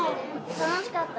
楽しかったよ。